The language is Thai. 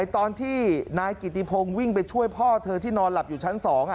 ตอนที่นายกิติพงศ์วิ่งไปช่วยพ่อเธอที่นอนหลับอยู่ชั้น๒